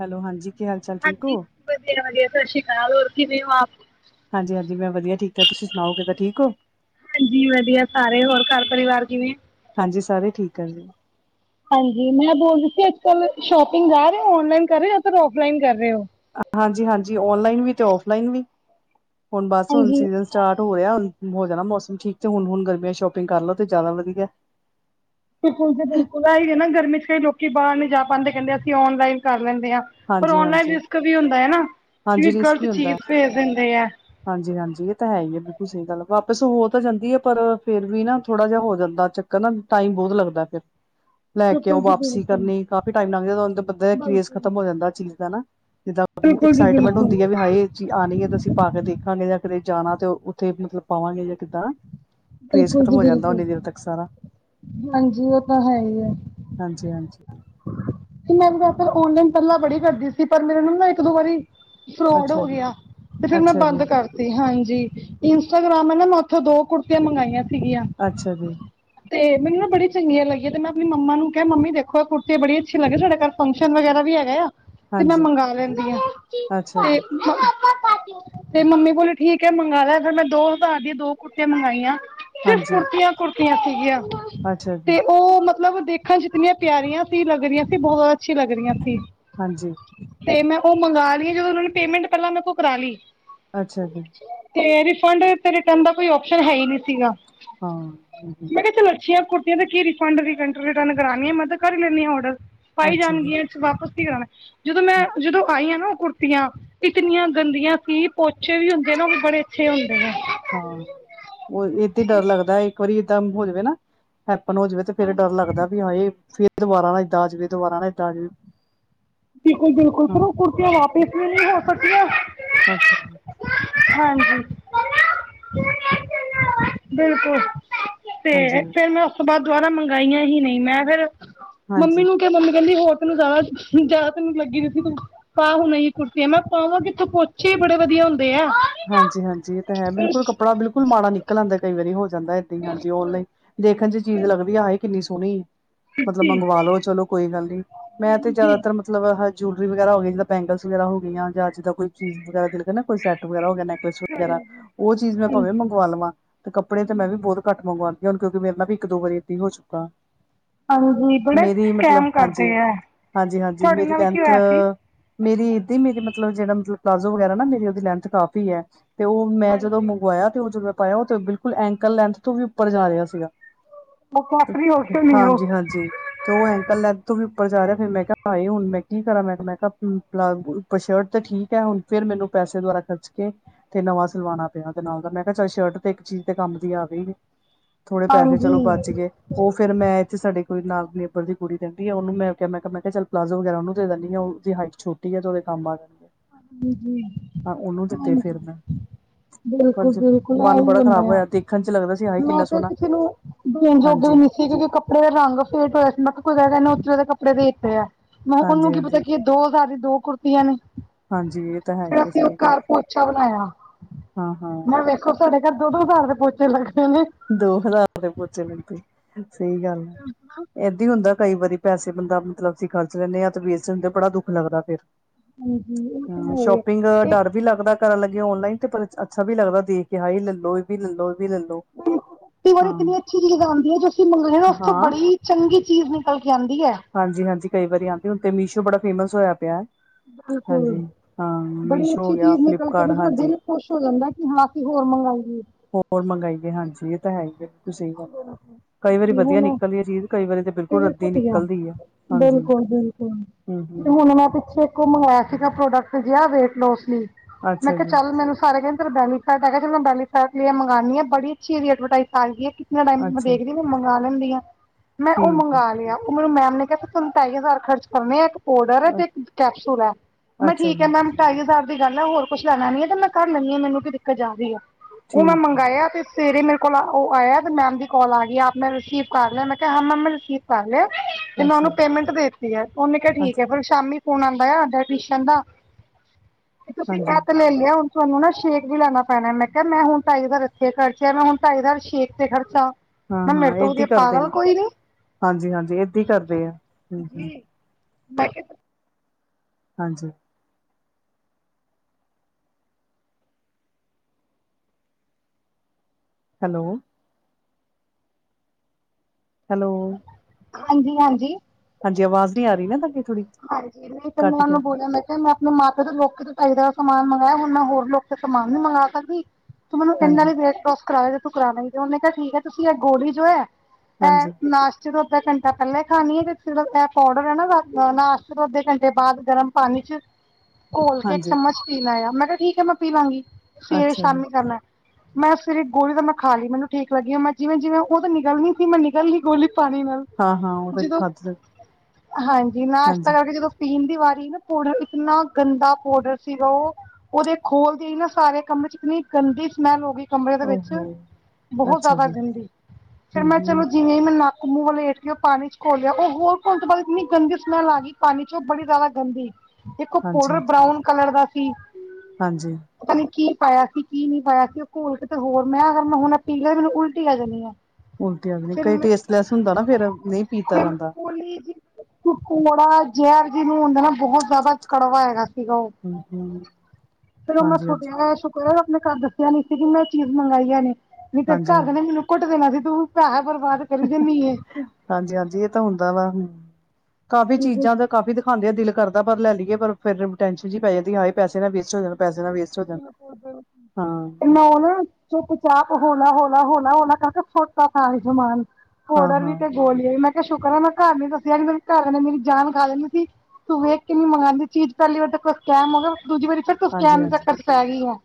Hello ਹਾਂਜੀ ਕੀ ਹਾਲ ਚਾਲ ਠੀਕ ਹਾਂਜੀ ਹੋ ਵਧੀਆ-ਵਧੀਆ ਸਤਿ ਸ੍ਰੀ ਅਕਾਲ ਹੋਰ ਕਿਵੇਂ ਹੋ ਆਪ? ਹਾਂਜੀ-ਹਾਂਜੀ ਮੈਂ ਵਧੀਆ ਠੀਕ ਆ ਤੁਸੀਂ ਸੁਣਾਓ ਕਿੱਦਾ ਠੀਕ ਹੋ? ਹਾਂਜੀ ਵਧੀਆ ਸਾਰੇ ਹੋਰ ਘਰ ਪਰਿਵਾਰ ਕਿਵੇਂ? ਹਾਂਜੀ ਸਾਰੇ ਠੀਕ ਹੈ ਜੀ। ਹਾਂਜੀ ਮੈਂ ਬੋਲਦੀ ਸੀ ਅੱਜਕੱਲ ਸ਼ੋਪਿੰਗ ਜਾ ਰਹੇ ਹੋ ਔਨਲਾਈਨ ਕਰ ਰਹੇ ਹੋ ਜਾਂ ਫਿਰ ਔਫਲਾਈਨ ਕਰ ਰਹੇ ਹੋ? ਹਾਂਜੀ-ਹਾਂਜੀ ਓਨਲਾਈਨ ਵੀ ਤੇ ਔਫਲਾਈਨ ਵੀ। ਹੁਣ ਬਸ ਹੁਣ ਹਾਂਜੀ ਸੀਜ਼ਨ ਸਟਾਰਟ ਹੋ ਰਿਹਾ ਹੁਣ ਹੋ ਜਾਣਾ ਮੌਸਮ ਠੀਕ ਤੇ ਹੁਣ-ਹੁਣ ਗਰਮੀਆਂ ਦੀ ਸ਼ੋਪਿੰਗ ਕਰ ਲਓ ਤੇ ਜ਼ਿਆਦਾ ਵਧੀਆ। ਬਿਲਕੁਲ ਜੀ ਬਿਲਕੁਲ ਐ ਹੀ ਏ ਨਾ ਗਰਮੀ ਚ ਕਈ ਲੋਕੀ ਬਾਹਰ ਨੀ ਜਾ ਪਾਉਂਦੇ ਕਹਿੰਦੇ ਅਸੀਂ ਔਨਲਾਈਨ ਕਰ ਲੈਂਦੇ ਹਾਂ। ਪਰ ਹਾਂਜੀ ਔਨਲਾਈਨ ਹਾਂਜੀ ਰਿਸਕ ਵੀ ਹੁੰਦਾ ਹੈ ਨਾ ਕਿ ਗ਼ਲਤ ਚੀਜ਼ ਭੇਜ ਦਿੰਦੇ ਆ। ਹਾਂਜੀ-ਹਾਂਜੀ ਇਹ ਤਾਂ ਹੈ ਹੀ ਹੈ ਬਿਲਕੁਲ ਸਹੀ ਗੱਲ ਵਾਪਿਸ ਹੋ ਤਾਂ ਜਾਂਦੀ ਹੈ ਪਰ ਫੇਰ ਵੀ ਨਾ ਥੋੜਾ ਜਿਹਾ ਹੋ ਜਾਂਦਾ ਚੱਕਰ ਟਾਈਮ ਬਹੁਤ ਲੱਗਦਾ ਫਿਰ। [inaudible] ਲੈ ਕੇ ਉਹ ਵਾਪਸੀ ਕਰਨੀ ਕਾਫੀ ਟਾਈਮ ਲੱਗਦਾ ਬੰਦੇ ਕਰੇਜ਼ ਖਤਮ ਹੋ ਜਾਂਦਾ ਚੀਜ਼ ਦਾ ਨਾ। ਜਿੱਦਾਂ ਆਪਾਂ ਨੂੰ ਬਿਲਕੁਲ ਜੀ ਐਕਸਾਈਟਮੈਂਟ ਬਿਲਕੁਲ ਹੁੰਦੀ ਹੈ ਵੀ ਹਾਏ ਆਣੀ ਹੈ ਤੇ ਅਸੀਂ ਪਾ ਕੇ ਦੇਖਾਂਗੇ ਜਾਂ ਕਿਤੇ ਜਾਣਾ ਤੇ ਉੱਥੇ ਮਤਲਬ ਪਾਵਾਂਗੇ ਜਾਂ ਕਿੱਦਾਂ। ਕਰੇਜ਼ ਬਿਲਕੁਲ ਖਤਮ ਜੀ ਹੋ ਜਾਂਦਾ ਬਿਲਕੁਲ ਓਨੀ ਦੇਰ ਤੱਕ ਸਾਰਾ। ਹਾਂਜੀ ਉਹ ਤਾਂ ਹੈ ਹੀ ਹੈ ਹਾਂਜੀ-ਹਾਂਜੀ। ਮੈਨੂੰ ਵੈਸੇ ਔਨਲਾਈਨ ਪਹਿਲਾਂ ਬੜੀ ਕਰਦੀ ਸੀ ਪਰ ਮੇਰੇ ਨੂੰ ਨਾ ਇੱਕ-ਦੋ ਵਾਰੀ ਫਰੋਡ ਅੱਛਾ ਹੋ ਜੀ ਗਿਆ, ਤੇ ਫਿਰ ਮੈਂ ਅੱਛਾ ਬੰਦ ਜੀ ਕਰ ਤੀ ਹਾਂਜੀ ਇੰਸਟਾਗ੍ਰਾਮ ਨਾ ਮੈਂ ਉੱਥੇ ਦੋ ਕੁੜਤੀਆਂ ਮੰਗਾਈਆਂ ਸੀਗੀਆਂ। ਅੱਛਾ ਜੀ ਤੇ ਮੈਨੂੰ ਨਾ ਬੜੀ ਚੰਗੀਆ ਲੱਗੀਆਂ ਤੇ ਮੈਂ ਆਪਣੇ ਮੰਮਾ ਨੂੰ ਕਿਹਾ ਮੰਮੀ ਦੇਖੋ ਇਹ ਕੁੜਤੀ ਬੜੀ ਅੱਛੇ ਲੱਗਿਆ ਸਾਡੇ ਘਰ ਫੰਕਸ਼ਨ ਵਗੇਰਾ ਵੀ ਹੈਗਾ ਆ। ਤੇ ਮੈਂ ਹਾਂਜੀ ਮੰਗਵਾ ਲੈਂਦੀ ਹਾਂ, ਅੱਛਾ ਤੇ ਜੀ ਤੇ ਮੰਮੀ ਬੋਲੀ ਠੀਕ ਹੈ ਮੰਗਵਾ ਲੇ ਫਿਰ ਮੈਂ ਦੋ ਹਜ਼ਾਰ ਦੀਆਂ ਦੋ ਕੁੜਤੀਆਂ ਮੰਗਾਈਆਂ ਸਿਰਫ ਹਾਂਜੀ ਕੁੜਤੀਆਂ ਕੁੜਤੀਆਂ ਸੀਗੀਆਂ, ਅੱਛਾ ਤੇ ਜੀ ਉਹ ਮਤਲਬ ਦੇਖਣ 'ਚ ਕਿਤਨੀਆਂ ਪਿਆਰੀਆਂ ਸੀ ਲੱਗ ਰੀਆ ਬਹੁਤ ਅੱਛੀ ਲੱਗ ਰਹੀਆਂ ਸੀ। ਹਾਂਜੀ। ਤੇ ਮੈਂ ਉਹ ਮੰਗਾ ਲਈ ਜਦੋਂ ਉਹਨਾਂ ਨੇ ਪੇਮੈਂਟ ਪਹਿਲਾਂ ਮੇਰੇ ਕੋ ਕਰਾ ਲਈ। ਅੱਛਾ ਜੀ। ਤੇ ਰਿਫੰਡ ਤੇ ਰਿਟਰਨ ਦਾ ਕੋਈ ਓਪਸ਼ਨ ਹੈ ਹੀ ਨਹੀਂ ਸੀਗਾ। ਹਾਂ ਮੈਂ ਕਿਹਾ ਚਲ ਅੱਛੀਆਂ ਕੁੜ ਕੀ ਰਿਫੰਡ ਰਿਟਰਨ ਕਰਾਣੀ ਆ ਮੈਂ ਤਾਂ ਕਰ ਲੈਂਨੀ ਆ ਹਾਂ ਔਡਰ ਪਾਈ ਅੱਛਾ ਜਾਣਗੀ। ਜੀ ਵਾਪਸ ਨੀ ਕਰਾਣਾ, ਜਦੋਂ ਮੈਂ ਜਦੋਂ ਆਈ ਹਾਂ ਨਾ ਉਹ ਕੁੜ ਇਤਨੀਆਂ ਗੰਦੀਆਂ ਸੀ ਪੋਚੇ ਵੀ ਹੁੰਦੇ ਨੇ ਉਹ ਬੜੇ ਅੱਛੇ ਹੁੰਦੇ ਨੇ। ਹਾਂ ਉਹ ਇਹ ਤੇ ਡਰ ਲੱਗਦਾ, ਇੱਕ ਵਾਰੀ ਏਦਾਂ ਹੋ ਜਾਵੇ ਨਾ। ਹੈਪਨ ਹੋ ਜਾਵੇ, ਤੇ ਫੇਰ ਡਰ ਲੱਗਦਾ ਵੀ ਹਾਏ ਫੇਰ ਦੁਬਾਰਾ ਨਾ ਇੱਦਾਂ ਆ ਜਾਵੇ, ਦੁਬਾਰਾ ਨਾ ਏਦਾਂ ਆ ਜਾਵੇ। ਬਿਲਕੁਲ-ਬਿਲਕੁਲ, ਸਰ ਉਹ ਹਾਂ ਕੁੜਤੀਆਂ ਵਾਪਿਸ ਵੀ ਨਹੀਂ ਹੋ ਸਕਦੀਆਂ। ਅੱਛਾ ਹਾਂਜੀ, ਬਿਲਕੁਲ ਤੇ ਹਾਂਜੀ ਫੇਰ ਮੈਂ ਉਸ ਤੋਂ ਬਾਅਦ ਦੁਬਾਰਾ ਮੰਗਾਈਆਂ ਹੀ ਨਹੀਂ, ਮੈਂ ਫੇਿਰ ਮੰਮੀ ਹਾਂਜੀ ਨੂੰ ਮੰਮੀ ਕਹਿੰਦੀ, ਹੋਰ ਤੈਨੂੰ ਜ਼ਿਆਦਾ-ਜ਼ਿਆਦਾ ਤੈਨੂੰ ਲੱਗੀ ਰਹਿੰਦੀ ਤੂੰ ਪਾ ਹੁਣ ਇਹੀ ਕੁੁੜਤੀ, ਆ ਮੈਂ ਪਾਵਾਂ ਕਿੱਥੇ ਪੋਚੇ ਬੜੇ ਵਧੀਆ ਹੁੰਦੇ ਆ। ਹਾਂਜੀ-ਹਾਂਜੀ ਇਹ ਤਾਂ ਹੈ, ਜੀ ਬਿਲਕੁਲ ਕੱਪੜਾ ਬਿਲਕੁਲ ਮਾੜਾ ਨਿਕਲ ਆਂਦਾ, ਕਈ ਵਾਰੀ ਹੋ ਜਾਂਦਾ ਏਦਾਂ ਹੀ ਹਾਂਜੀ ਔਨਲਾਈਨ ਦੇਖਣ ਚ ਚੀਜ਼ ਲੱਗਦੀ ਆ ਇਹ ਕਿੰਨੀ ਸੋਹਣੀ, ਮਤਲਬ ਹਾਂਜੀ ਮੰਗਵਾ ਲੋ ਚਲੋ ਕੋਈ ਗੱਲ ਨੀ। ਮੈਂ ਤੇ ਜ਼ਿਆਦਾਤਰ ਮਤਲਬ ਅਹ ਜੂਲਰੀ ਵਗੈਰਾ ਹੋ ਗਈ, ਜਿੱਦਾਂ ਬੈਂਗਲਜ਼ ਵਗੈਰਾ ਹੋ ਗੀਆਂ, ਜਾਂ ਜਿੱਦਾਂ ਕੋਈ ਚੀਜ਼ ਵਗੈਰਾ ਸੈੱਟ ਵਗੈਰਾ ਹੋ ਗਿਆ ਨੈਕਲਸ ਵਗੈਰਾ ਉਹ ਚੀਜ਼ ਮੈਂ ਭਾਵੇਂ ਹਾਂਜੀ ਮੰਗਵਾ ਲਵਾਂ, ਤੇ ਕੱਪੜੇ ਤੇ ਮੈਂ ਵੀ ਬਹੁਤ ਘੱਟ ਮੰਗਵਾ ਹੁਣ ਕਿਉਂਕਿ ਮੇਰੇ ਨਾਲ ਵੀ ਇੱਕ ਦੋ ਵਾਰੀ ਇੱਦਾਂ ਹੋ ਚੁੱਕਾ। ਹਾਂਜੀ ਬੜੇ ਮੇਰੀ ਮਤਲਬ ਸਕੈਮ ਕਰਦੇ ਆ ਹਾਂਜੀ-ਹਾਂਜੀ-ਹਾਂਜੀ ਤੁਹਾਡੇ ਮੇਰੀ ਨਾਲ ਕੀ ਲੈਂਥ ਹੋਇਆ ਸੀ ਮੇਰੀ ਇਦੀ ਮੇਰੀ ਮਤਲਬ ਜਿਹੜਾ ਮਤਲਬ ਪਲਾਜ਼ੋ ਵਗੈਰਾ ਨਾ ਮੇਰੀ ਉਹਦੀ ਲੈਂਥ ਕਾਫੀ ਐ। ਤੇ ਉਹ ਮੈਂ ਜਦੋਂ ਹਾਂਜੀ ਮੰਗਵਾਇਆ ਤੇ ਉਹ ਜਦੋਂ ਮੈਂ ਪਾਇਆ, ਉਹ ਤੇ ਬਿਲਕੁਲ ਐਂਕਲ ਲੈਂਥ ਤੋਂ ਵੀ ਉੱਪਰ ਜਾ ਰਿਹਾ ਸੀਗਾ। ਉਹ ਕਾਫਰੀ ਹੋ ਗਏ ਨਹੀਂ ਹੋ ਹਾਂਜੀ-ਹਾਂਜੀ ਤੇ ਉਹ ਐਂਕਲ ਲੈ ਤੋਂ ਵੀ ਉੱਪਰ ਜਾ ਰਿਹਾ, ਫਿਰ ਮੈਂ ਕਿਹਾ ਹਾਏ ਹੁਣ ਮੈਂ ਕੀ ਕਰਾਂ, ਮੈਂ ਕਿਹਾ -ਮੈਂ ਕਿਹਾ ਪਲਾਜ਼ੋ ਸ਼ਰਟ ਤੇ ਠੀਕ ਐ, ਹੁਣ ਫੇਰ ਮੈਨੂੰ ਪੈਸੇ ਦੁਆਰਾ ਖਰਚ ਤੇ ਨਵਾਂ ਸਿਲਵਾਣਾ ਪਿਆ ਉਹਦੇ ਨਾਲ ਦਾ, ਮੈਂ ਕਿਹਾ ਚੱਲ ਸ਼ਰਟ ਤੇ ਇੱਕ ਚੀਜ਼ ਤੇ ਕੰਮ ਦੀ ਆ ਗਈ। ਥੋੜੇ ਪੈਸੇ ਹਾਂਜੀ ਚਲੋ ਬਚ ਗਏ। ਉਹ ਫਿਰ ਮੈਂ ਇੱਥੇ ਸਾਡੇ ਕੋਈ ਨਾਲ ਨੇਬਰ ਦੀ ਕੁੜੀ ਰਹਿੰਦੀ ਆ, ਉਹਨੂੰ ਮੈਂ ਕਿਹਾ- ਮੈਂ ਕਿਹਾ- ਮੈਂ ਕਿਹਾ ਚੱਲ ਪਲਾਜ਼ੋ ਵਗੈਰਾ ਉਹਨੂੰ ਦੇ ਦਿੰਦੀ ਆ, ਉਹਦੀ ਹਾਈਟ ਛੋਟੀ ਐ, ਤੇ ਉਹਦੇ ਕੰਮ ਆ ਹਾਂਜੀ ਜੀ। ਤੇ ਹਾਂਜੀ ਫਿਰ ਮੈਂ ਬਿਲਕੁਲ- ਪਰ ਬਿਲਕੁਲ ਮਨ ਇਹੀ ਬੜਾ ਹੁੰਦਾ ਖ਼ਰਾਬ ਆ, ਹੋਇਆ ਦੇਖਣ ਚ ਲੱਗਦਾ ਸੀ ਹਾਏ ਮੈਂ ਕਿੰਨਾ ਤੇ ਸੋਹਣਾ ਕਿਸੇ ਨੂੰ ਦੇਣ ਜੋਗੇ ਹਾਂਜੀ ਵੀ ਠੀਕ ਕੱਪੜੇ ਰੰਗ ਫੇਂਟ ਹੋਇਆ ਸੀ, ਮੈਂ ਕਿਹਾ ਕੋਈ ਕਹਿੰਦਾ ਉਸ ਤਰਾਂ ਦੇ ਕੱਪੜੇ ਦੇ ਪਿਆ, ਮੈਂ ਕਿਹਾ ਉਹਨੂੰ ਹਾਂਜੀ ਕੀ ਹਾਂਜੀ ਪਤਾ ਕਿ ਐ ਦੋ ਹਜ਼ਾਰ ਦੀ ਦੋ ਕੁੜਤੀਆਂ ਨੇ। ਹਾਂਜੀ। ਤਾਂ ਹੈ ਹੀ ਫਿਰ ਹੈ, ਅਸੀਂ ਉਹ ਸਹੀ ਗੱਲ ਘਰ ਪੋਚਾ ਬਣਾਇਆ, ਹਾਂ-ਹਾਂ ਮੈਂ ਵੇਖ ਸਾਡੇ ਘਰ ਦੋ- ਦੋ ਹਜ਼ਾਰ ਦੇ ਪੋਚੇ ਲੱਗਦੇ ਨੇ। ਦੋ ਹਜ਼ਾਰ ਦੇ ਪੋਚੇ ਲੈਂਦੇ, ਸਹੀ ਗੱਲ ਆ, ਏਦੀ ਹੁੰਦਾ ਕਈ ਵਾਰੀ। ਪੈਸੇ ਬੰਦਾ ਮਤਲਬ ਅਸੀ ਖਰਚ ਲੈਂਦੇ ਹਾਂ, ਤੇ ਵੇਸਟ ਹੁੰਦੇ ਬੜਾ ਦੁੱਖ ਲੱਗਦਾ ਫਿਰ। ਹੂੰ, ਸ਼ੋਪਿੰਗ ਡਰ ਵੀ ਲੱਗਦਾ ਕਰਨ ਲੱਗੇ ਔਨਲਾਈਨ ਤੇ, ਪਰ ਅੱਛਾ ਵੀ ਲੱਗਦਾ ਦੇਖ ਕੇ, ਹਾਏ ਲੈ ਇਹ ਵੀ ਲੈਲੋ ਇਹ ਵੀ ਲੈਲੋ। ਕਈ ਵਾਰੀ ਹਾਂ ਇਤਨੀ ਅੱਛੀ ਚੀਜ਼ ਆਂਦੀ ਐ, ਜੋ ਅਸੀਂ ਮੰਗਦੇ ਹਾਂ ਨਾ ਉਸ ਤੋਂ ਬੜੀ ਚੰਗੀ ਚੀਜ਼ ਨਿਕਲ ਕੇ ਆਂਦੀ ਐ। ਹਾਂਜੀ-ਹਾਂਜੀ ਕਈ ਵਾਰੀ ਆਂਦੀ, ਹੁਣ ਤੇ ਮੀਸ਼ੋ ਬੜਾ ਫੇਮਸ ਹੋਇਆ ਪਿਆ। ਬਿਲਕੁਲ, ਹਾਂਜੀ। ਹਾਂ ਬੜੀ ਮੀਸ਼ੋ ਹੋ ਅੱਛੀ ਗਿਆ ਚੀਜ਼ ਨਿਕਲ ਕੇ ਫਲਿੱਪਕਾਰਟ ਹਾਂਜੀ ਤੁਹਾਡੀ ਖੁਸ਼ ਹੋ ਜਾਂਦਾ ਕਿ ਹਾਂ, ਅਸੀਂ ਹੋਰ ਮੰਗਵਾਇਆ। ਹੋਰ ਮੰਗਾਈਏ, ਹਾਂਜੀ ਇਹ ਤਾਂ ਹੈ ਹੀ ਹੈ। ਹੀ ਗੱਲ ਕਈ ਵਾਰੀ ਵਧੀਆ ਨਿਕਲਦੀ ਹੈ, ਚੀਜ਼ ਕਈ ਵਾਰੀ ਤਾਂ ਬਿਲਕੁਲ ਰੱਦੀ ਨਿਕਲਦੀ ਹੈ। ਹਾਂਜੀ ਬਿਲਕੁਲ- ਬਿਲਕੁਲ, ਤੇ ਹੂੰ-ਹੂੰ। ਹੁਣ ਮੈਂ ਪਿੱਛੇ ਇਕ ਉਹ ਮੰਗਵਾਇਆ ਸੀਗਾ ਪ੍ਰੋਡਕਟ ਜਿਹਾ ਵੇਟ ਲੋਸ ਲਈ, ਮੈਂ ਅੱਛਾ ਕਿਹਾ ਜੀ ਚੱਲ ਮੈਨੂੰ ਸਾਰੇ ਕਹਿੰਦੇ ਤੇਰਾ ਬੈਨੀ ਹੈਗਾ ਚਲ ਮੈਂ ਬੈਲੀ ਫੈਟ ਲਈ ਮੈਂ ਮੰਗਾਣੀ ਆ, ਬੜੀ ਅੱਛੀ ਐਡਵਰਟਾਈਜ਼ ਆ ਗਈ ਐ, ਕਿਤਨਾ ਟਾਈਮ ਮੈਂ ਅੱਛਾ ਜੀ, ਦੇਖਦੀ ਮੰਗਵਾ ਲੈਂਦੀ ਆ, ਮੈਂ ਉਹ ਠੀਕ ਹੈ ਮੰਗਾ ਲਿਆ, ਉਹ ਮੈਨੂੰ ਮੈਮ ਨੇ ਕਿਹਾ ਤੁਹਾਨੂੰ ਸਤਾਈ ਹਜ਼ਾਰ ਖਰਚ ਕਰਨੇ ਆ, ਇੱਕ ਪੋਡਰ ਐ ਅ ਤੇ ਇੱਕ ਕੈਪਸੂਲ ਐ, ਮੈਂ ਅੱਛਾ ਠੀਕ ਹੈ ਜੀ ਮੈਮ ਢਾਈ ਹਜ਼ਾਰ ਦੀ ਗੱਲ ਹੈ ਹੋਰ ਕੁਛ ਲੈਨਾ ਨੀ ਐ, ਤੇ ਮੈਂ ਕਰ ਲੈਦੀ ਹਾਂ ਮੈਨੂੰ ਕੀ ਦਿੱਕਤ ਜਾਂਦੀ ਐ, ਉਹ ਮੈਂ ਠੀਕ ਹੈ ਮੰਗਵਾਇਆ ਤੇ ਸਵੇਰੇ ਮੇਰੇ ਕੋਲ ਉਹ ਆਇਆ ਤੇ ਮੈਮ ਦੀ ਕੋਲ ਆ ਗਈ, ਆਪ ਮੈਂ ਰਿਸੀਵ ਕਰ ਲਿਆ, ਮੈਂ ਕਿਹਾ ਹਾਂ ਮੈਮ ਮੈਂ ਰਿਸੀਵ ਕਰ ਲਿਆ ਤੇ ਮੈਂ ਉਹਨੂੰ ਅੱਛਾ ਪੇਮੈਂਟ ਦੇ ਦਿੱਤੀ ਐ ਉਹਨੇ ਕਿਹਾ ਠੀਕ ਐ, ਅੱਛਾ ਫੇਰ ਸ਼ਾਮੀ ਫੋਨ ਆਂਦਾ ਆ ਡਾਈਟਿਸ਼ਨ ਦਾ, ਤੇ ਤੁਸੀਂ ਹਾਂਜੀ ਐਹ ਤੇ ਲੈ ਲਿਓ ਤੁਹਾਨੂੰ ਨਾ ਸ਼ੇਕ ਵੀ ਲੈਣਾ ਪੈਣਾ, ਮੈਂ ਕਿਹਾ ਮੈਂ ਹੁਣ ਢਾਈ ਹਜ਼ਾਰ ਇੱਥੇ ਖਰਚਿਆ, ਮੈਂ ਹੁਣ ਢਾਈ ਹਜ਼ਾਰ ਸ਼ੇਕ ਤੇ ਖਰਚਾ। ਹਾਂ, ਮੈਂ ਹਾਂ ਮੇਰੇ ਤੋਂ ਏਦ ਵਧੀਆ ਕਰਦੇ ਪਾਗਲ ਨੇ ਕੋਈ ਨੀ ਹਾਜੀ, ਹਾਂਜੀ ਏਦ ਕਰਦੇ ਆ ਹੂੰ-ਹੂੰ ਮ ਹਾਂਜੀ। ਹੈਲੋ। ਹੈਲੋ। ਹਾਂਜੀ, ਹਾਂਜੀ। ਹਾਂਜੀ, ਆਵਾਜ਼ ਨਹੀਂ ਆ ਰਹੀ ਨਾ ਤੁਹਾਡੀ ਪੁਰੀ ਹਾਂਜੀ ਤਿੰ ਉਹ ਬੋਲਣ ਪ ਮੈਂ ਆਪਣੇ ਮਾਰਕੀਟ ਲੋਕ ਤੇ ਚਾਹੀਦਾ, ਸਮਾਨ ਮੰਗਾਇਆ, ਹੁਣ ਮੈਂ ਹੋਰ ਲੋਕ ਸਮਾਨ ਨੀ ਮੰਗਵਾ ਸਕਦੀ। ਤੂੰ ਮੈਨੂੰ ਇੰਨਾ ਹਾਂਜੀ ਵੀ ਵੇਟ ਲੋਸ ਕਰਵਾਇਆ ਤੂੰ ਕਰਾਣਾ ਤੇ ਉਹਨੇ ਕਿਹਾ ਠੀਕ ਹੈ ਤੁਸੀਂ ਇਹ ਗੋਲੀ ਜੋ ਹੈ। ਹਾਂਜੀ ਇਹ ਨਾਸ਼ਤੇ ਤੋਂ ਅੱਧਾ ਘੰਟਾ ਪਹਿਲਾਂ ਹੀ ਖਾਣੀ ਐ, ਜਿਹੜਾ ਇਹ ਪਾਊਡਰ ਹੈ ਨਾ। ਨਾਸ਼ ਅੱਧੇ ਘੰਟੇ ਬਾਅਦ ਗਰਮ ਪਾਣੀ ਚ ਘੋਲ ਕੇ ਇੱਕ ਹਾਂਜੀ ਚਮਚ ਪੀਣਾ ਆ ਮੈਂ ਕਿਹਾ ਠੀਕ ਹੈ ਮੈਂ ਪੀ ਲਾਂਗੀ, ਸਵੇਰੇ ਅੱਛਾ ਜੀ ਸ਼ਾਮੀ ਕਰਨਾ ਮੈਂ ਸਵੇਰੇ ਗੋਲੀ ਤਾਂ ਮੈਂ ਖਾ ਲਈ ਮੈਨੂੰ ਠੀਕ ਲੱਗੀ, ਮੈਂ ਜਿਵੇ ਜਿਵੇਂ ਉਹ ਤਾਂ ਨਿਕਲਣੀ ਸੀ ਮੈਂ ਨਿਕਲ ਗੀ ਗੋਲੀ ਪਾਣੀ ਨਾਲ ਹਾਂ, ਹਾਂ, ਉਹ ਤਾਂ ਜਦੋਂ ਖਾਦ ਹਾਂਜੀ, ਨਾਸ਼ਤਾ ਕਰਕੇ ਜਦੋਂ ਪੀਣ ਦੀ ਵਾਰੀ ਨਾ ਪਾਊਡਰ ਇਤਨਾ ਗੰਦਾ ਪਾਊਡਰ ਸੀਗਾ ਉਹ। ਉਹਦੇ ਖੋਲ੍ਹ ਦੀ ਹੀ ਨਾ ਸਾਰੇ ਕੰਮਰੇ ਚ ਕਿੰਨੀ ਗੰਦੀ ਸਮੈਲ ਹੋ ਗਈ ਕਮਰੇ ਦੇ ਵਿੱਚ ਓਹੋ ਬਹੁਤ ਅੱਛਾ ਜ਼ਿਆਦਾ ਜੀ ਗਦੀ, ਫਿਰ ਹੂੰ ਮੈਂ ਚਲੋ ਹੂੰ ਜਿਵੇਂ ਮੈ ਘੁੰਮੂ ਵਾਲ ਲੇਠ ਕੇ ਉਹ ਪਾਣੀ ਚ ਘੋਲਿਆ, ਉਹ ਹੋਰ ਘੁਣ ਤੋਂ ਬਾਅਦ ਇੰਨੀ ਗੰਦੀ ਮੈਂ ਲਾ ਗਈ, ਪਾਣੀ ਚ ਉਹ ਬੜੀ ਜ਼ਿਆਦਾ ਗੰਦੀ, ਦੇਖੋ ਹਾਂਜੀ ਪੋਡਰ ਹਾਂਜੀ ਬਰਾਊਨ ਕਲਰ ਦਾ ਸੀ [unintelligible] ਹਾਂਜੀ। ਪਤਾ ਨੀ ਕੀ ਪਾਇਆ ਸੀ, ਕੀ ਨਹੀਂ ਪਾਇਆ ਸੀ, ਉਹ ਘੋਲ ਕੇ ਤੇ ਹੋਰ ਮੈਂ ਰੈਂ ਹੁਣ ਮੈਨੂੰ ਉਲਟ ਹੀ ਆ ਜਾਂਣੀ ਆ। ਉਲਟੀ ਆਂ ਜਾਣੀ, ਫਿਰ ਕਈ ਮੈਂ ਟੇਸਟਲੈਸ ਹੁੰਦਾ ਨਾ ਫੇਰ ਨਹੀਂ ਪੀਤਾ ਜਾਂਦਾ। ਪੋਲੀ ਜੀ ਕੋ ਘੋੜਾ ਜੈਰ ਜਿਵੇਂ ਹੁੰਦਾ ਨਾ, ਬਹੁਤ ਜ਼ਿਆਦਾ ਕੜਵਾ ਹੈਗਾ। ਉਹ ਹੂੰ ਹੂੰ ਫਿਰ ਉਹ ਮੈਂ ਹਾਂਜੀ ਸੁਟਿਆ ਹਾਂਜੀ [unintelligible] ਕੋਈ ਆਪਣੇ ਘਰ ਦੱਸਿਆਂ, ਨੀ ਸੀ ਕਿ ਮੈਂ ਚੀਜ਼ ਮੰਗਵਾਈਆਂ ਨੀ ਤੇ ਹਾਂਜੀ ਹਾਂਜੀ ਘਰ ਨੇ ਮੈਨੂੰ ਕੁੱਟ ਦੇਣਾ ਸੀ, ਤੂੰ ਪੈਸਾ ਬਰਬਾਦ ਕਰੀ ਦਿੰਦੀ ਐ। ਹਾਂਜੀ ਹਾਂਜੀ, ਇਹ ਤਾਂ ਹੁੰਦਾ ਵਾ, ਕਾਫ਼ੀ ਬਿਲਕੁਲ ਚੀਜ਼ਾਂ ਦਾ ਕਾਫ਼ੀ ਦਿਖਾਦੇ, ਆ ਦਿਲ ਕਰਦਾ ਪਰ ਲੈ ਲਈਏ, ਪਰ ਫਿਰ ਟੈਂਨਸ਼ਨ ਜੀ ਪੈ ਜਾਂਦੀ ਆ, ਹਏ ਪੈਸੇ ਨਾ ਵੇਸ ਹੋ ਜਾਦੇ ਪੈੇਸੇ ਨਾ ਵੇਸਟ ਹੋ ਜਾਣ ਬਿਲਕੁਲ, ਬਿਲਕੁਲ, ਹਾਂ ਕਿ ਨੋਂ ਨਾ ਚੁੱਪ ਚਾਪ ਹੌਲਾ, ਹੌਲਾ, ਹੌਲਾ, ਹੌਹ ਲਾ ਕਰਕੇ ਹਾਂ ਹਾਂ [unintelligible] ਬੋਲੀਏ ਮੈਂ ਕਿਹਾ ਸ਼ੁਕਰ ਆ, ਮੈਂ ਘਰ ਨੀ ਦੱਸਿਆ ਮੇਰੀ ਘਰ ਨੇ ਮੇਰੀ ਜਾਨ ਖਾ ਲੈਂਨੀ ਸੀ। ਤੂੰ ਵੇਖ ਕੇ ਨੀ ਮੰਗਵਾਦੀ, ਚੀਜ਼ ਪਹਿਲੀ ਵਾਰ ਤੇਕੋ ਸਕੈਮ ਤਾਂ ਹੋ ਗਿਆ, ਦੂਜੀ ਵਾਰੀ ਫਿਰ ਤੂੰ ਸਕੈਮ ਦੇ ਹਾਂਜੀ-ਹਾਂਜੀ ਚੱਕਰ ਚ ਪੈ ਗਈ ਹੈ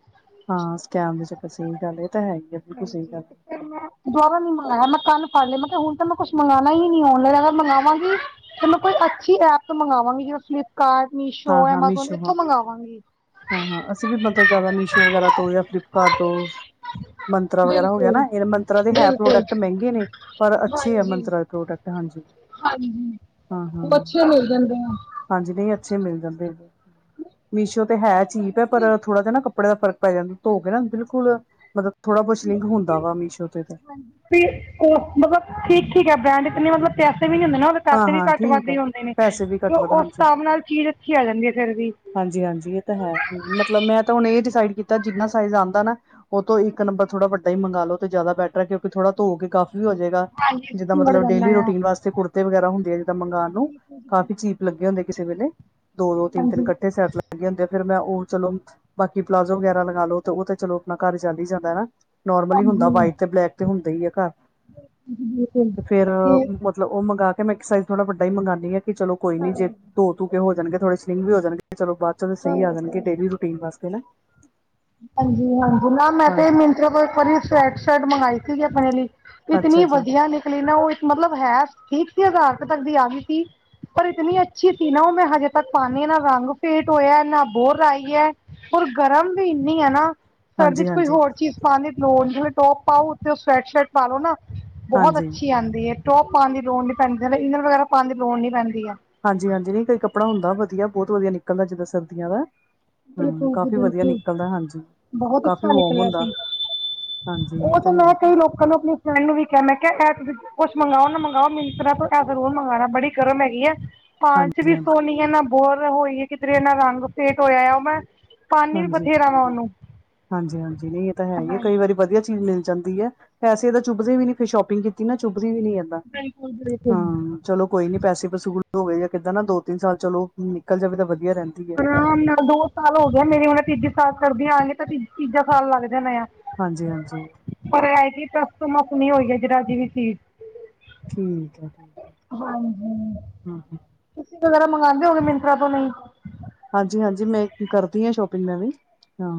ਹਾਂ, ਸਕੈਮ ਦੇ ਚੱਕਰ ਸਹੀ ਗੱਲ ਇਹ ਤਾਂ ਹੈ ਹੀ। ਆ ਬਿਲਕੁਲ ਸਹੀ ਹਾਂਜੀ। ਗੱਲ ਮੈਂ ਦੁਬਾਰਾ ਨੀ ਮੰਗਵਾਈਆਂ, ਮੈਂ ਕੱਲ ਫੜ ਲਿਆ ਮੈਂ ਕਿਹਾ ਹੁਣ ਤਾਂ ਮੈਂ ਕੁਛ ਮੰਗਣਾ ਹੀ ਨੀ ਔਨਲਾਈਨ ਅਗਰ ਮੰਗਵਾਗੀ ਫੇ ਮੈਂ ਕੋਈ ਅੱਛੀ ਐਪ ਮੰਗਾਵਾਗੀ, ਜਿਵੇਂ ਫਲਿੱਪਕਾਰਟ ਹਾਂ ਮੀਸ਼ੋ ਹਾਂ ਐਮਾਜ਼ੋਨ ਮੀਸ਼ੋ ਹਾਂ ਇੱਥੋਂ ਮੰਗਵਾਗੀ। ਹਾਂ- ਹਾਂ, ਅਸੀਂ ਵੀ ਮਤਲਬ ਜ਼ਿਆਦਾ ਮੀਸ਼ੋ ਵਗੈਰਾ ਤੋਂ ਜਾਂ ਫਲਿਪਕਾਰਟ ਤੋਂ ਮੰਤਰਾ ਵਗੈਰਾ ਹੋ ਗਿਆ ਨਾ, ਇਹ ਮੰਤਰਾ ਦੇ ਹੈ ਪ੍ਰੋਡਕਟ ਮਹਿੰਗੇ ਨੇ, ਪਰ ਅੱਛੇ ਆ ਮੰਤਰਾ ਦੇ ਪ੍ਰੋਡਕਟ। ਹਾਂਜੀ। ਹਾਂਜੀ, ਹਾਂ ਹਾਂ ਉਹ ਅੱਛੇ ਮਿਲ ਜਾਂਦੇ ਆ। ਹਾਂਜੀ, ਨਹੀਂ ਅੱਛੇ ਮਿਲ ਜਾਂਦੇ ਨੇ, ਮੀਸ਼ੋ ਤੇ ਹੈ ਚੀਪ ਐ ਪਰ ਥੋੜਾ ਜਾ ਨਾ ਕੱਪੜੇ ਦਾ ਫਰਕ ਪੈ ਜਾਂਦਾ, ਧੋ ਕੇ ਨਾ ਬਿਲਕੁਲ ਮਤਲਬ ਥੋੜਾ ਬਹੁਤ ਸਿੰਕ ਹੰਦਾ ਵਾ ਮੀਸ਼ੋ ਤੇ। ਵੀ ਉਹ ਮਤਲਬ ਠੀਕ-ਠੀਕ ਐ, ਬ੍ਰੈਂਡ ਇੰਨੇ ਮਤਲਬ ਪੈਸੇ ਵੀ ਨੀ ਹੁੰਦੇ ਨਾ ਉਹ ਹਾਂ ਪੈਸੇ ਵੀ ਹਾਂ ਘੱਟ ਠੀਕ ਵੱਧਦੇ ਹੈ ਹੁੰਦੇ ਨੇ, ਪੈਸੇ ਵੀ ਤੇ ਘੱਟ ਵੱਧ ਉਸ ਹਾਂਜੀ ਹਿਸਾਬ ਨਾਲ ਚੀਜ਼ ਅੱਛੀ ਆ ਜਾਂਦੀ ਐ, ਫਿਰ ਵੀ। ਹਾਂਜੀ-ਹਾਂਜੀ, ਇਹ ਤਾਂ ਹੈ ਮਤਲਬ ਮੈਂ ਤਾਂ ਹੁਣ ਇਹ ਡਿਸਾਈਡ ਕੀਤਾ, ਜਿੰਨਾ ਸਾਈਜ਼ ਆਦਾ ਨਾ ਉਹ ਤੋਂ ਇੱਕ ਨੰਬਰ ਥੋੜਾ ਵੱਡਾ ਹੀ ਮੰਗਾ ਲੋ, ਤੇ ਜ਼ਿਆਦਾ ਬੈਟਰ ਐ, ਕਿਉਂਕਿ ਥੋੜਾ ਧੋ ਕੇ ਗੱਡ ਹੋ ਜਾਵੇਗਾ। ਹਾਂਜੀ ਜਿੱਦਾਂ ਸੁੰਗੜ ਮਤਲਬ ਜਾਂਦਾ ਡੇਲੀ ਆ। ਰੂਟੀਨ ਵਾਸਤੇ ਕੁੜ ਤੀ ਵਗੈਰਾ ਹੁੰਦੇ ਆ ਜਿੱਦਾਂ ਮੰਗਾਉਣ ਨੂੰ, ਕਾਫੀ ਚੀਪ ਲੱਗੇ ਹੁੰਦੇ, ਕਿਸੇ ਵੇਲੇ ਦੋ- ਦੋ, ਤਿੰਨ- ਤਿੰਨ ਹਾਂਜੀ ਇਕੱਠੇ ਸੈਟ ਲੱਗੇ ਹੁੰਦੇ ਆ, ਫੇਰ ਮੈਂ ਉਹ ਚਲੋ ਬਾਕੀ ਪਲਾਜ਼ੋ ਵਗੈਰਾ ਲਗਾ ਲੋ ਤੇ, ਉਹ ਤੇ ਚਲੋ ਆਪਣਾ ਘਰ ਚੱਲ ਹੀ ਜਾਂਦਾ ਹਨਾ। ਨੋਰਮਲ ਹੁੰਦਾ ਹਾਂਜੀ ਵਾਈਟ ਤੇ ਬਲੈਕ ਤੇ ਹੁੰਦਾ ਹੀ ਆ ਘਰ। ਬਿਲਕੁਲ ਤੇ ਫਿਰ ਤੇ ਮਤਲਬ ਉਹ ਮੰਗਵਾ ਕੇ ਮੈਂ ਇੱਕ ਸਾਈ ਥੋੜਾ ਵੱਡਾ ਹੀ ਮੰਗਾਵਨੀ ਆ, ਕਿ ਚਲੋ ਕੋਈ ਜੇ ਹਾਂ ਧੋ- ਧੂ ਕੇ ਹੋ ਜਾਣਗੇ ਥੋੜੇ ਸਿਲਿੰਗ ਹੋ ਜਾਣਗੇ। ਚਲੋ ਬਾਅਦ ਚੋਂ ਤਾਂ ਸਹੀ ਆ ਜਾਣਗੇ, ਹਾਂ ਡੇਲੀ ਰੂਟੀਨ ਵਾਸਤੇ ਨਾ। ਹਾਂਜੀ- ਹਾਂਜੀ, ਨਾ ਮੈਂ ਤੇ ਹਾਂਜੀ ਮਿੰਨਤਰ ਕੋਲ ਇੱਕ ਵਾਰੀ ਸੋਟ ਸ਼ਰਟ ਮੰਗਵਾਈ ਸੀਗੀ ਆਪਣੇ ਲਈ। ਇਤਨੀ ਅੱਛਾ ਜੀ ਵਧੀਆ ਨਿਕਲੀ ਨਾ ਉਹ ਮਤਲਬ ਹੈ ਇੱਕ ਠੀਕ ਸੀ ਉਦਾਂ ਹਜ਼ਾਰ ਤੱਕ ਦੀ ਆ ਗਈ ਸੀ। ਪਰ ਇਤਨੀ ਅੱਛੀ ਸੀ ਨਾ, ਉਹ ਮੈਂ ਹਜੇ ਤੱਕ ਪਾਉਂਦੀ ਐ, ਨਾ ਰੰਗ ਫੇਟ ਹੋਇਆ ਨਾ ਬੋਰ ਆਈ ਐ। ਹੋਰ ਗਰਮ ਵੀ ਇੰਨੀ ਐ ਨਾ, ਸਰਦੀ ਹਾਂਜੀ ਚ' ਕੋਈ ਹਾਂਜੀ ਹੋਰ ਚੀਜ਼ ਪਾਉਂਦੇ ਲੋ, ਜਿਵੇਂ ਟੋਪ ਪਾਓ ਤੇ ਉੱਤੇ ਉਹ ਸਵੈਟ ਸ਼ਰਟ ਪਾ ਲੋ ਨਾ, ਬਹੁਤ ਹਾਂਜੀ ਅੱਛੀ ਆਉਂਦੀ ਐ। ਟੋਪ ਪਾਉਣ ਦੀ ਲੋੜ ਨੀ ਪੈਂਦੀ, ਥੱਲੇ ਇਨਰ ਵਗੈਰਾ ਪਾਉਣ ਦੀ ਲੋੜ ਨ ਪੈਂਦੀ ਐ। ਹਾਂਜੀ- ਹਾਂਜੀ, ਨਹੀਂ ਕਈ ਕੱਪੜਾ ਹੁੰਦਾ, ਵਧੀਆ ਬਹੁਤ ਵਧੀਆ ਨਿਕਲਦਾ ਜਿੱਦਾਂ ਸਰਦੀਆਂ ਦਾ। ਹਾ, ਬਿਲਕੁਲ ਜੀ ਕਾਫੀ ਵਧੀਆ ਬਿਲਕੁਲ ਨਿਕਲਦਾ ਹਾਂਜੀ, ਬਹੁਤ ਕਾਫੀ ਅੱਛਾ ਵੋਮ ਨਿਕਲਿਆ ਹੁੰਦਾ। ਸੀ ਹਾਂਜੀ ਇਹ ਉਹ ਤਾਂ ਹੈ ਮੈਂ ਹੀ। ਕਈ ਲੋਕਾਂ ਨੂੰ ਆਪਣੀ ਫਰੈਂਡ ਨੂੰ ਵੀ ਕਿਹਾ ਮੈਂ ਕਿਹਾ, ਇਹ ਤੁ ਕੁੱਛ ਮੰਗਵਾਓ ਨਾ ਮੰਗਗਾਓ, ਮਿੰਤਰਾ ਤੋਂ ਐ ਜ਼ਰੂਰ ਮੰਗਉਣਾ, ਬੜੀ ਗਰਮ ਹੈਗੀ ਆ। ਪਾ 'ਚ ਹਾਂਜੀ ਵੀ ਹਾਂਜੀ ਸੋਹਣੀ ਹੈ ਨਾ ਬੋਰ ਹੋਈ ਹੈ, ਕਿਧਰੇ ਇਹਨਾ ਰੰਗ ਫੇਟ ਹੋਇਆਂ ਆ, ਉਹ ਮੈਂ ਪਾਣੀ ਵੀ ਹਾਂਜੀ- ਬਥੇਰਾ ਵਾ ਉਹਨੂੰ ਹਾਂਜੀ- ਹਾਂਜੀ, ਨਹੀਂ ਇਹ ਤਾਂ ਹੈ ਹੀ ਐ, ਕਈ ਵਾਰੀ ਵਧੀਆ ਚੀਜ਼ ਮਿਲ ਜਾਂਦੀ ਐ। ਪੈਸੇ ਤਾਂ ਚੁਭਦੇ ਵੀ ਨੀ ਫੇ ਸ਼ੋਪਿੰਗ ਕੀਤੀ ਨਾ, ਚੁੱਭਦੀ ਵੀ ਨੀ ਏਦਾ, ਬਿਲਕੁਲ ਬਿਲਕੁਲ ਹਾਂ। ਚਲੋ, ਕੋਈ ਨੀ ਪੈਸੇ- ਪਸੂ ਹੋਵੇ ਜਾਂ ਕਿੱਦਾਂ ਨਾ ਦੋ- ਤਿੰਨ ਸਾਲ ਚਲੋ, ਨਿਕਲ ਜਾਵੇ ਤਾਂ ਵਧੀਆ ਰਹਿੰਦੀ। ਹੈ। ਨਾਲ ਦੋ ਸਾਲ ਹੋ ਗਏ ਮੇਰੀ ਹੁਣ ਤੀਜੇ ਸਾਲ ਸਰਦੀ ਆਂਗੇ ਤਾਂ, ਤ ਤੀਜਾ ਸਾਲ ਲੱਗ ਜਾਣਾ ਆ। ਹਾਂਜੀ- ਹਾਂਜੀ। ਪਰ ਐ ਜ ਤਸ ਤੋ ਮਸ ਨਹੀ ਆਪਣੀ ਹੋਈ ਹੈ ਜਰਾ ਜੀ ਵੀ ਚੀਜ਼। ਠੀਕ ਹੈ। ਹਾਂਜੀ। ਹਾਂ ਤੁਸੀਂ ਵਗੈਰਾ ਮੰਗਵਾਉਂਦੇ ਹੋਗੇ ਮਿੰਤਰਰਾ ਤੋਂ ਨਹੀਂ। ਹਾਂਜੀ- ਹਾਂਜੀ ਮੈਂ ਕਰਦੀ ਹਾਂ। ਸ਼ੋਪਿੰਗ ਮੈਂ ਵੀ ਹਾਂ।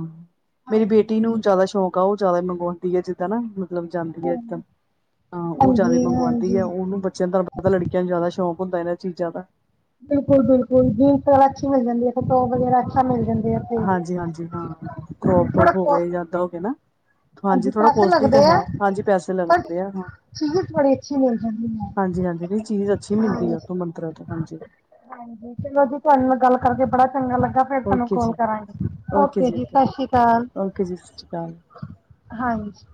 ਮੇਰੀ ਬੇਟੀ ਨੂੰ ਜਿਆਦਾ ਸ਼ੌਕ ਉਹ ਜ਼ਿਆਦਾ ਮੰਗਵਾਉਂਦੀ ਹੈ ਜਿੱਦਾਂ ਨਾ। ਮਤਲਬ ਜਾਂਦੀ ਹੈ। ਇਏਦਾਂ ਅਹ ਉਹ ਜਾਂਦਾ ਹਾਂਜੀ ਮੰਗਵਾਉਂਦੀ ਹੈ। ਹਾਂਜੀ ਉਹਨੂੰ ਬੱਚਿਆਂ ਦਾਰ ਪਤਾ ਲੜਕੀ ਨੂੰ ਜ਼ਿਆਦਾ ਸ਼ੌਂਕ ਹੁੰਦਾ ਇਹਨਾਂ ਚੀਜ਼ਾਂ ਦਾ। ਬਿਲਕੁਲ- ਬਿਲਕੁਲ ਜੀਨਸ ਅੱਛੀ ਮਿਲ ਜਾਂਦੀ। ਹੈਟੋਪ ਵਗੈਰਾ ਅੱਛਾ ਮਿਲ ਜਾਂਦੇ ਆ। ਤੇ ਹਾਂਜੀ- ਹਾਂਜੀ ਹਾਂ। ਕਰੋਪ ਥੋੜਾ ਟੋਪ ਹੋ ਕੋਸ ਗਏ ਜਦਾਂ ਹੋ ਗ ਨਾ। ਹਾਂਜੀ। ਥੋੜਾ ਪੈਸੇ ਕੋਸਟਲੀ ਤਾਂ ਲੱਗਦੇ ਆ ਹੈ, ਹਾਂਜੀ। ਪੈਸੇ ਪਰ ਲੱਗਦੇ ਆ ਹਾਂ। ਚੀਜ਼ ਬੜੀ ਅੱਛੀ ਮਿਲ ਜਾਂਦੀ ਹੈ ਹਾਂਜੀ- ਹਾਂਜੀ, ਵੀ ਚੀਜ਼ ਅੱਛੀ ਮਿਲਦੀ ਹਾਂਜੀ ਆ। ਉਥੋਂ ਮੰਤਰ ਤੋਂ, ਹਾਂਜੀ। ਹਾਂਜੀ। ਚਲੋਂ ਜੀ, ਤੁਹਾਡੇ ਨਾਲ ਗੱਲ ਕਰਕੇ ਬੜਾ ਚੰਗਾ ਲੱਗਾ। ਫੇਰ ਤੁਹਾਨੂੰ ਓਕੇ ਕੋਲ ਜੀ, ਕਰਾਂਗੀ, ਓਕੇ ਜੀ। ਸਤਿ ਸ਼੍ਰੀ ਅਕਾਲ। ਓਕੇ ਜੀ, ਸਤਿ ਸ਼੍ਰੀ ਅਕਾਲ। ਹਾਂਜੀ।